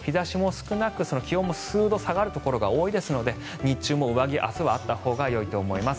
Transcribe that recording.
日差しも少なく気温も数度下がるところが多いですので日中は上着あったほうがよいと思います。